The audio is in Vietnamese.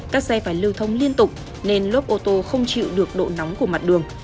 các xe phải lưu thông liên tục nên lốp ô tô không chịu được độ nóng của mặt đường